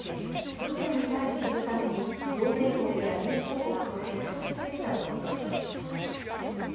ロシアに対じするために同盟国や友好国と結束してきたと強調しました。